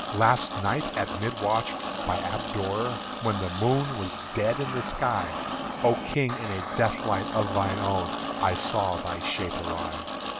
"Last night at mid watch, by Aberdour, When the moon was dead in the skies, O King, in a death light of thine own I saw thy shape arise.